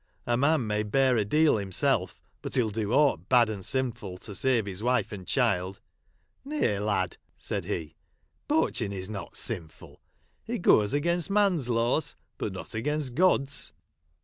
A man may bear a deal himself, but he '11 do aught bad and sinful to save his wife and child." " Nay, lad," said he, " poaching is not sinful ; it goes against man's laws, but not against God's."